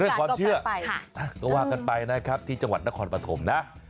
เรื่องความเชื่อก็ว่ากันไปนะครับที่จังหวัดนครปฐมนะ